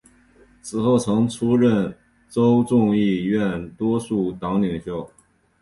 此后曾出任州众议院多数党领袖。